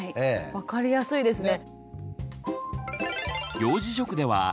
分かりやすいですね。